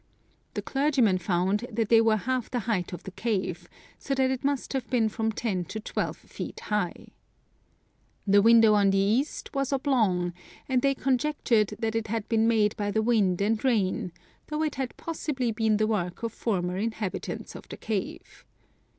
The clergymen found that they were half the height of the cave ; so that it must have been from ten to twelve feet high. The window on the east was 233 Curiosities of Olden Times oblong, and they conjectured that it had been made by the wind and rain, though it had possibly been the work of former inhabitants of the cave.